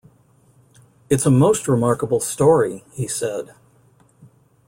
"It's a most remarkable story," he said.